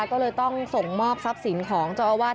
ก็เลยต้องส่งมอบทรัพย์สินของเจ้าอาวาส